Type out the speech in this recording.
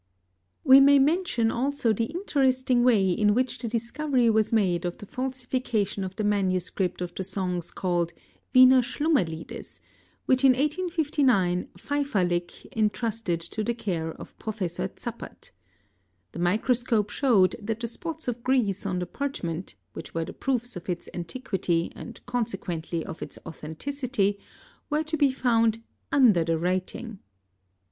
|__ We may mention also the interesting way in which the discovery was made of the falsification of the manuscript of the songs called Wiener Schlummerliedes, which in 1859 Feifalik entrusted to the care of Professor Zappert "™, The microscope showed that the spots of grease on the parchment, which were the proofs of its antiquity and consequently of its authenticity, were to be found wnder the writing').